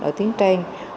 ở tiến trang